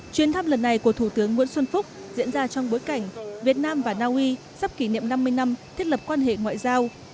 chuyến thăm lần này của thủ tướng nguyễn xuân phúc diễn ra trong bối cảnh việt nam và naui sắp kỷ niệm năm mươi năm thiết lập quan hệ ngoại giao